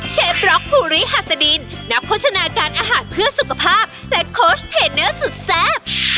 เชฟร็อกภูริฮัศดินนักโภชนาการอาหารเพื่อสุขภาพและโค้ชเทนเนอร์สุดแซ่บ